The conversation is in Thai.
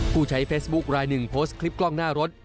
ผู้ใช้เฟซบุ๊คลายหนึ่งโพสต์คลิปกล้องหน้ารถ